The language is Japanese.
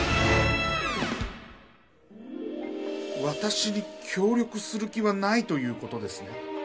わたしに協力する気はないという事ですね？